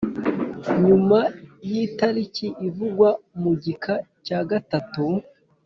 nyuma yitariki ivugwa mu gika cya gatatu